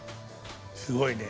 すごいね。